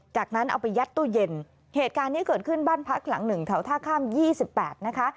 จากนั้นเอาไปยัดตู้เย็นเหตุการณ์นี้เกิดขึ้นบ้านพักหลังหนึ่งแถวท่าข้าม๒๘นะคะ